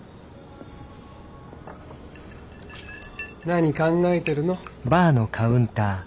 何考えてるの？